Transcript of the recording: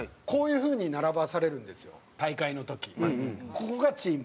ここがチーム。